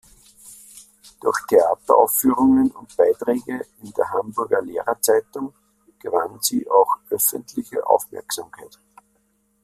Durch Theateraufführungen und Beiträge in der Hamburger Lehrerzeitung gewann sie auch öffentliche Aufmerksamkeit.